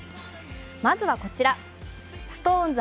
まずはこちらＳｉｘＴＯＮＥＳ